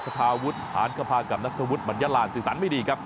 คาทาวุธหารกระพากกับนัทธวุธมัดยาลานสินสารไม่ดีครับ